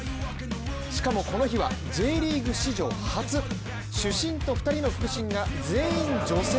しかもこの日は、Ｊリーグ史上初主審と２人の副審が全員女性。